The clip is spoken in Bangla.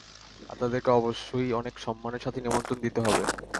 তাদেরকে অবশ্যই অনেক সম্মানের সাথে নিমন্ত্রণ দিতে হবে।